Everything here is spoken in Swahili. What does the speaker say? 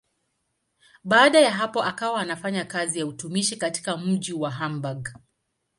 Baada ya hapo akawa anafanya kazi ya utumishi katika mji wa Hamburg.